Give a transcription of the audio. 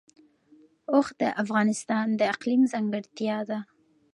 اوښ د افغانستان د اقلیم ځانګړتیا ده.